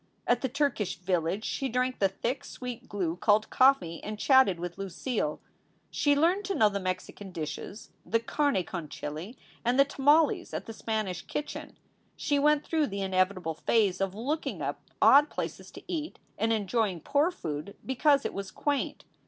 At the Turkish Village she drank the thick, sweet glue called coffee and chatted with Lucille. She learned to know the Mexican dishes, the carne con chile and the tamales at the Spanish Kitchen. She went through the inevitable phase of looking up odd places to eat and enjoying poor food because it was quaint.